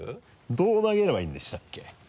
どう投げればいいんでしたっけ？